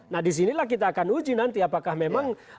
nah disinilah kita akan uji nanti apakah memang